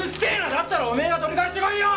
だったらおめえが取り返してこいよ！！